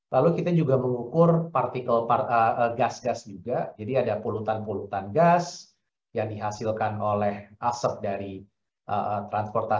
lalu kita juga mengukur partikel gas gas juga jadi ada polutan polutan gas yang dihasilkan oleh aset dari transportasi